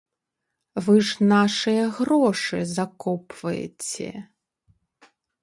Вы ж нашыя грошы закопваеце.